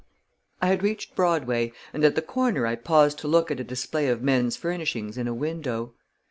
I had reached Broadway, and at the corner I paused to look at a display of men's furnishings in a window.